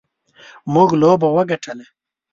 موږ لوبه وګټله.